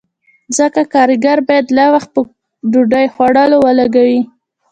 ځکه کارګر باید لږ وخت په ډوډۍ خوړلو ولګوي